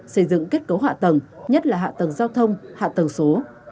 xây dựng kết cấu hạ tầng nhất là hạ tầng giao thông hạ tầng số